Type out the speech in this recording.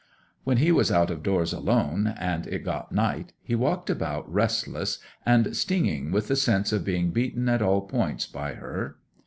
'When he was out of doors alone, and it got night, he walked about restless, and stinging with the sense of being beaten at all points by her.